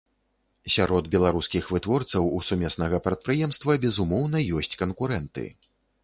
Сярод беларускіх вытворцаў у сумеснага прадпрыемства, безумоўна, ёсць канкурэнты.